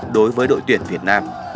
đối với đội tuyển việt nam